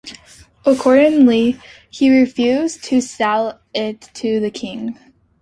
Accordingly, he refused to sell it to the king.